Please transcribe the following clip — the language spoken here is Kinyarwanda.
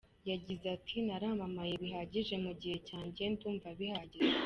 Yagize ati “Naramamaye bihagije mu gihe cyanjye ndumva bihagije.